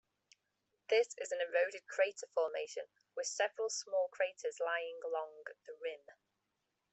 This is an eroded crater formation with several small craters lying long the rim.